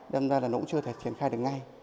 đâm ra là nó cũng chưa thể triển khai được ngay